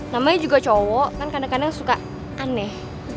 namanya juga cowok kan kadang kadang suka aneh